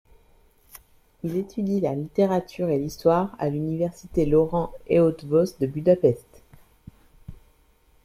Il étudie la littérature et l'histoire à l'université Loránd Eötvös de Budapest.